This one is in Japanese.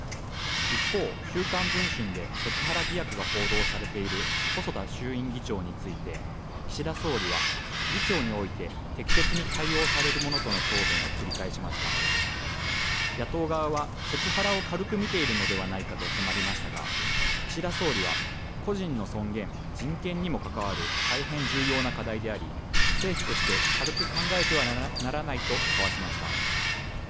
一方「週刊文春」でセクハラ疑惑が報道されている細田衆院議長について岸田総理は議長において適切に対応されるものとの答弁を繰り返しました野党側はセクハラを軽く見ているのではないかと迫りましたが岸田総理は個人の尊厳人権にも関わる大変重要な課題であり政府として軽く考えてはならないとかわしました